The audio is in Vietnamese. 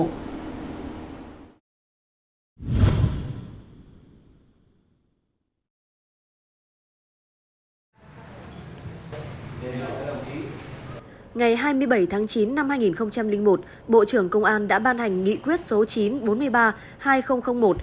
ngày hai mươi bảy tháng chín năm hai nghìn một bộ trưởng công an đã ban hành nghị quyết số chín trăm bốn mươi ba hai nghìn một